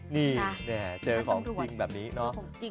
นี่เจอของจริงแบบนี้เนาะ